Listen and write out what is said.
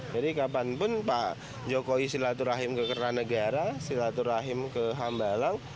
jadi kapanpun pak jokowi silaturahim ke keranegara silaturahim ke hambalang